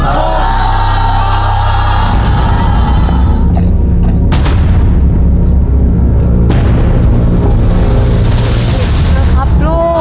ถูกนี่ละครับลูบ